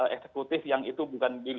eksekutif yang itu bukan